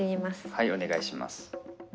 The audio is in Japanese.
はいお願いします。